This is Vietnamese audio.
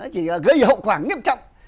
chỉ gây hậu quả nghiêm trọng